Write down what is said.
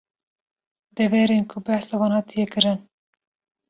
Deverên ku behsa wan hatiye kirin